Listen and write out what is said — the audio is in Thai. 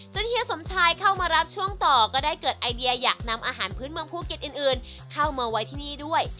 เฮียสมชายเข้ามารับช่วงต่อก็ได้เกิดไอเดียอยากนำอาหารพื้นเมืองภูเก็ตอื่นเข้ามาไว้ที่นี่ด้วย